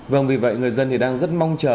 vâng vì vậy người dân đang rất mong chờ